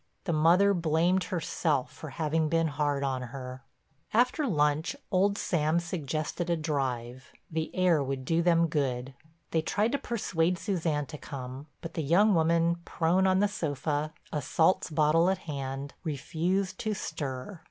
The mother blamed herself for having been hard on her. After lunch old Sam suggested a drive—the air would do them good. They tried to persuade Suzanne to come, but the young woman, prone on the sofa, a salts bottle at hand, refused to stir.